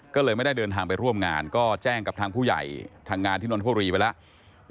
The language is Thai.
ก็เลยไม่ได้เดินทางไปร่วมงานก็แจ้งกับทางผู้ใหญ่ทางงานที่นนทบุรีไปแล้ว